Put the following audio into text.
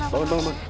bangun bangun bangun